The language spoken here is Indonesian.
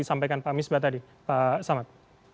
disampaikan pak misbah tadi pak samad